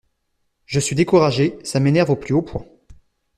Je suis découragé, ça m’énerve au plus haut point!